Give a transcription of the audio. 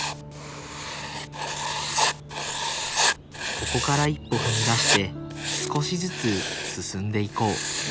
ここから一歩踏み出して少しずつ進んでいこう。